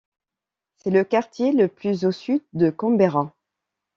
C'est le quartier le plus au sud de Canberra.